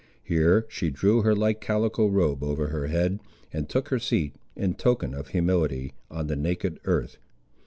Here she drew her light calico robe over her head, and took her seat, in token of humility, on the naked earth.